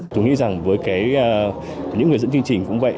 tôi nghĩ rằng với những người dẫn chương trình cũng vậy